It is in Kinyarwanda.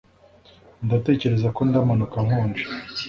Ndatekereza ko ndamanuka nkonje